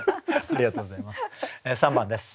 ありがとうございます。